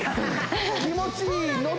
気持ちいいノ